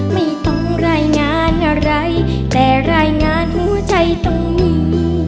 ไม่ต้องรายงานอะไรแต่รายงานหัวใจต้องมี